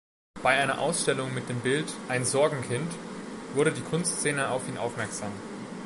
Bei einer Ausstellung mit dem Bild "„Ein Sorgenkind“", wurde die Kunstszene auf ihn aufmerksam.